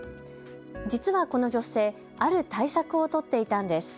実はこの女性、ある対策を取っていたんです。